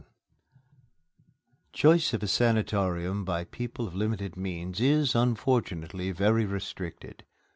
VII Choice of a sanatorium by people of limited means is, unfortunately, very restricted.